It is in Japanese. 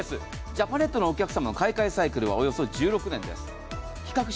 ジャパネットのお客様の買い替えサイクルはおよそ１６年です。